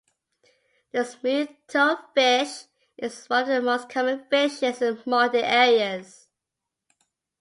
The smooth toadfish is one of the most common fishes in muddy areas.